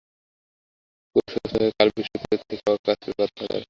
পুরো সুস্থ হয়ে কাল বৃহস্পতিবার থেকেই আবার কাজে ফেরার কথা তাঁর।